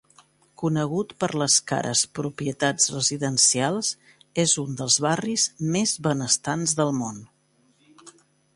Conegut per les cares propietats residencials, és un dels barris més benestants del món.